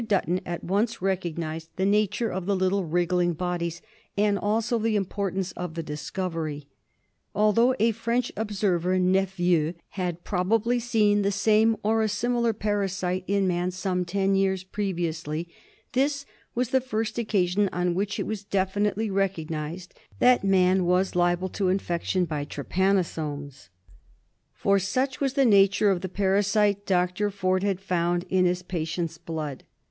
Dutton at once recognised the nature of the little wriggling bodits and also the importance of the discovery. Although a French observer, Nepveu, had probably seen the same or a similar parasite in man some ten years previously, this was the first occasion on which it was definitely recog nised that man was liable to infection by trypanosomes — for such was the nature of the parasite Dr. Forde had found in his pa tient's blood.